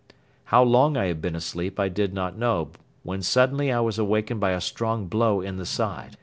How long I had been asleep I did not know when suddenly I was awakened by a strong blow in the side.